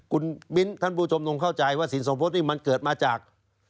คุณมิ้นท่านผู้ชมต้องเข้าใจว่าสินสมพุทธนี่มันเกิดมาจาก